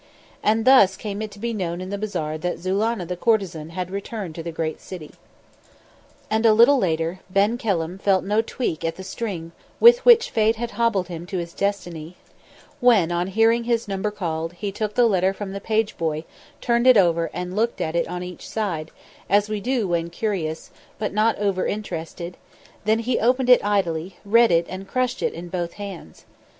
And thus came it to be known in the bazaar that Zulannah the courtesan had returned to the great city. And a little later, Ben Kelham felt no tweak at the string with which Fate had hobbled him to his destiny, when, on hearing his number called, he took the letter from the page boy, turned it over, and looked at it on each side, as we do when curious, but not over interested; then he opened it idly, read it and crushed it in both hands.